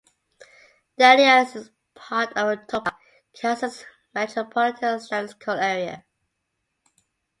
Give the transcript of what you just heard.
Delia is part of the Topeka, Kansas Metropolitan Statistical Area.